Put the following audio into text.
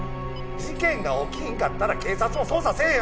事件が起きひんかったら警察も捜査せえへんやろ？